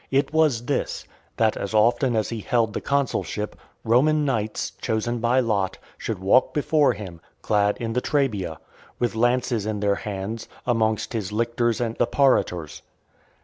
It was this: "that as often as he held the consulship, Roman knights, chosen by lot, should walk before him, clad in the Trabea, with lances in their hands, amongst his lictors and apparitors."